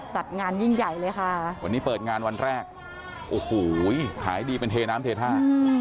จัดงานยิ่งใหญ่เลยค่ะวันนี้เปิดงานวันแรกโอ้โหขายดีเป็นเทน้ำเทท่า